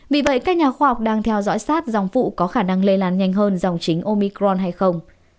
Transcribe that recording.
vì vậy các nhà khoa học đang theo dõi sát dòng vụ có khả năng lây lan nhanh hơn dòng chính omicron hay không